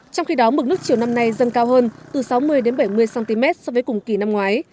trong khi đó mực nước chiều năm nay dâng cao hơn từ sáu mươi bảy mươi cm so với cùng kỳ năm ngoái